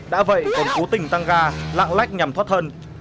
đã vậy còn cố tình tăng ga lạng lách nhằm thoát thân